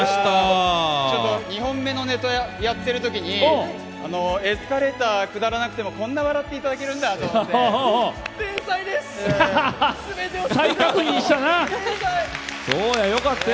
２本目のネタやってる時にエスカレーター、くだらなくてもこんな笑っていただけるんだって思って。